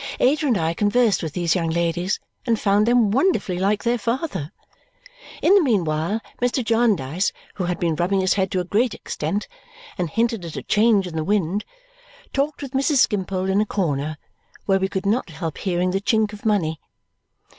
Ada and I conversed with these young ladies and found them wonderfully like their father. In the meanwhile Mr. Jarndyce (who had been rubbing his head to a great extent, and hinted at a change in the wind) talked with Mrs. Skimpole in a corner, where we could not help hearing the chink of money.